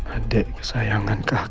adik kesayangan kakak